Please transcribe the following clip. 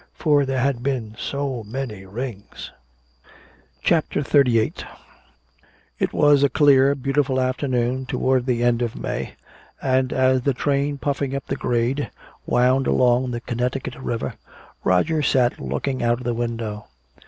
For there had been so many rings.... CHAPTER XXXVIII It was a clear beautiful afternoon toward the end of May. And as the train puffing up the grade wound along the Connecticut River, Roger sat looking out of the window.